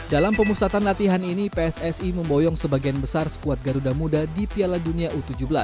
dalam pemusatan latihan ini pssi memboyong sebagian besar skuad garuda muda di piala dunia u tujuh belas